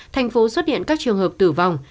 thành phố xuất hiện các trường hợp tử vong